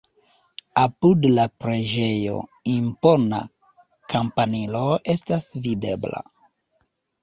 Apud la preĝejo impona kampanilo estas videbla.